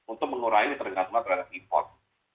untuk mengurangi ketergantungan terhadap import